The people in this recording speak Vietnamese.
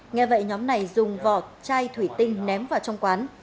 nghe vậy nhóm này dùng vỏ chai thủy tinh ném vào trong quán